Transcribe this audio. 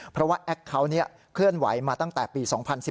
เพราะว่าแอคเคาน์เคลื่อนไหวมาตั้งแต่ปี๒๐๑๘